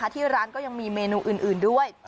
ที่ร้านก็ยังมีเมนูอื่นด้วย